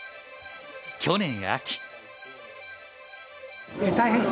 去年秋。